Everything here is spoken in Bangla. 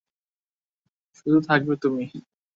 শুধু থাকবে তুমি।